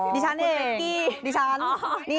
ดิฉันเองกี้ดิฉัน